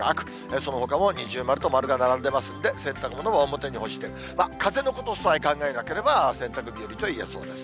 そのほかも二重丸と丸が並んでますんで、洗濯物は表に干して、風のことさえ考えなければ、洗濯日和といえそうです。